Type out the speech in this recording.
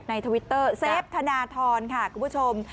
ทวิตเตอร์เซฟธนทรค่ะคุณผู้ชม